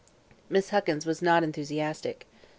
Miss Huckins was not enthusiastic.